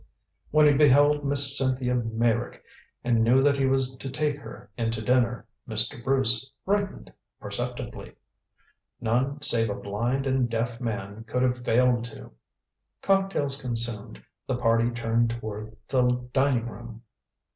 When he beheld Miss Cynthia Meyrick, and knew that he was to take her in to dinner, Mr. Bruce brightened perceptibly. None save a blind and deaf man could have failed to. Cocktails consumed, the party turned toward the dining room.